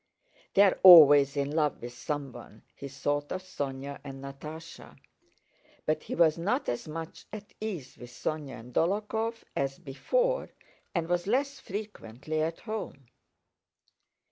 "They're always in love with someone," he thought of Sónya and Natásha. But he was not as much at ease with Sónya and Dólokhov as before and was less frequently at home.